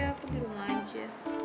aku di rumah aja